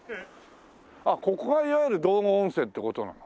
あっここがいわゆる道後温泉っていう事なの？